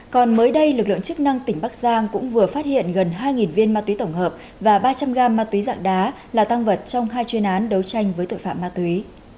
còn mới đây lực lượng chức năng tỉnh bắc giang cũng vừa phát hiện gần hai viên ma túy tổng hợp và ba trăm linh g ma túy dạng đá là tăng vật trong hai chuyên án đấu tranh với tội phạm ma túy